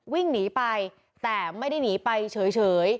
วิ่งหนีไปแต่ไม่ได้หนีไปเฉย